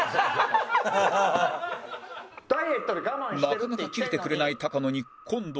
なかなかキレてくれない高野に今度は